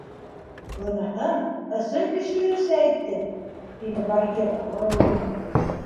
—- Быныһын ысын кешеләрсә әйттең, — тине Багира ғорурлана биреп.